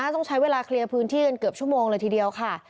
ต้องใช้เวลาเคลียร์พื้นที่กันเกือบชั่วโมงเลยทีเดียวค่ะ